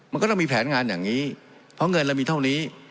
มันก็ต้องมีแผนงานอย่างนี้เพราะเงินเรามีเท่านี้